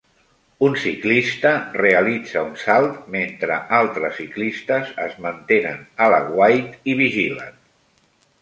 Un ciclista realitza un salt mentre altres ciclistes es mantenen a l'aguait i vigilen.